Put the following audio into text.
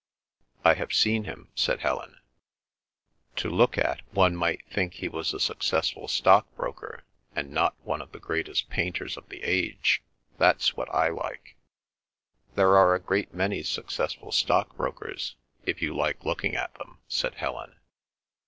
"I have seen him," said Helen. "To look at, one might think he was a successful stockbroker, and not one of the greatest painters of the age. That's what I like." "There are a great many successful stockbrokers, if you like looking at them," said Helen.